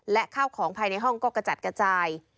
และข้าวของภายในห้องก็กระจัดกระจาย